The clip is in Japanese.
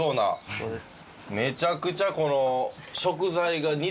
そうです。